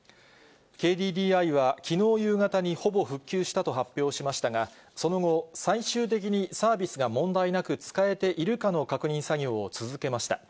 ＫＤＤＩはきのう夕方にほぼ復旧したと発表しましたが、その後、最終的にサービスが問題なく使えているかの確認作業を続けました。